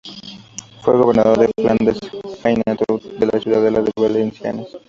Fue Gobernador de Flandes, Hainaut y de la ciudadela de Valenciennes.